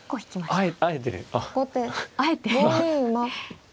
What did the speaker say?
はい。